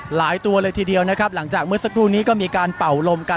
ตัวเลยทีเดียวนะครับหลังจากเมื่อสักครู่นี้ก็มีการเป่าลมกัน